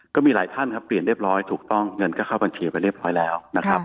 ก็มีหลายท่านครับเปลี่ยนเรียบร้อยถูกต้องเงินก็เข้าบัญชีไปเรียบร้อยแล้วนะครับ